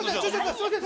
すいません